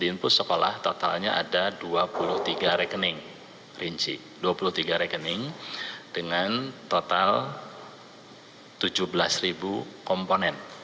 di inpus sekolah totalnya ada dua puluh tiga rekening rinci dua puluh tiga rekening dengan total tujuh belas komponen